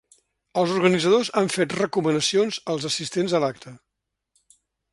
Els organitzadors han fet recomanacions als assistents a l’acte.